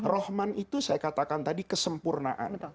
rahman itu saya katakan tadi kesempurnaan